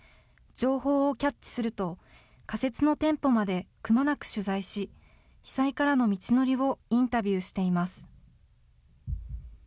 情報をキャッチすると、仮設の店舗までくまなく取材し、被災からの道のりをインタビューしています。